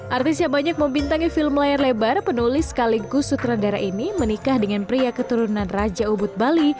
artis yang banyak membintangi film layar lebar penulis sekaligus sutradara ini menikah dengan pria keturunan raja ubud bali